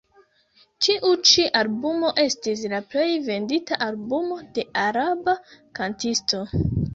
Tiu ĉi albumo estis la plej vendita albumo de araba kantisto.